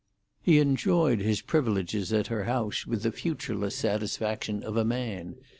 He enjoyed his privileges at her house with the futureless satisfaction of a man.